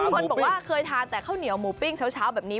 คนบอกว่าเคยทานแต่ข้าวเหนียวหมูปิ้งเช้าแบบนี้